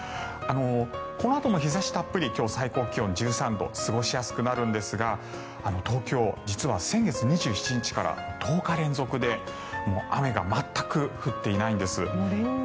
このあとも日差したっぷり今日、最高気温１３度過ごしやすくなるんですが東京、実は先月２７日から１０日連続で雨が全く降っていないんです。